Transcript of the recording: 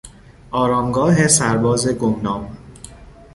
آرامگاه سرباز گمنام